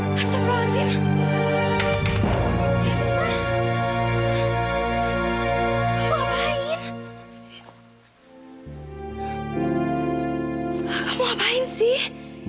kamu ngapain sih